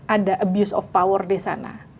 ada abuse of power di sana